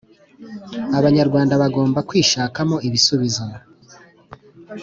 Abanyarwanda bagomba kwishakamo ibisubizo